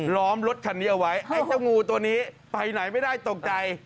ล้อมรถคันนี้เอาไว้ไอ้เจ้างูตัวนี้ไปไหนไม่ได้ตกใจ